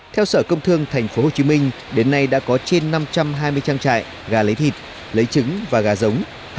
theo sở công thương tp hcm đến nay đã có trên năm trăm hai mươi trang trại gà lấy thịt lấy trứng và gà giống